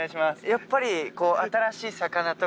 やっぱり。